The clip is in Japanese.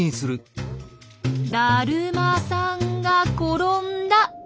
だるまさんが転んだ！